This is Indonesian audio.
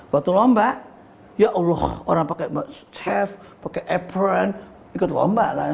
waktu lomba ya allah orang pakai chef pakai appern ikut lomba lah